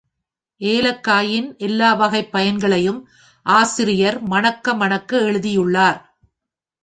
ஏலக்காயின் எல்லா வகைப் பயன்களையும் ஆசிரியர் மணக்க மணக்க எழுதியுள்ளார்.